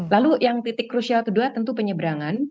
lalu yang titik crucial kedua tentu penyebrangan